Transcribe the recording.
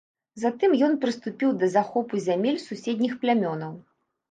Затым ён прыступіў да захопу зямель суседніх плямёнаў.